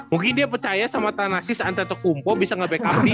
mungkin dia percaya sama thanasis antara tokumpo bisa ngebackup dia